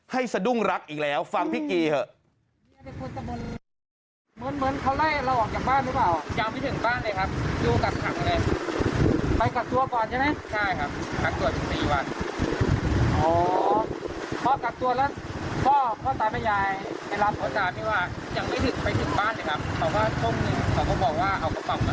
สะดุ้งรักอีกแล้วฟังพี่กีเถอะ